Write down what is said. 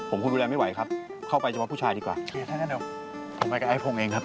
โอเคถ้าอย่างนั้นเดี๋ยวผมไปกับไอ้โฟงเองครับ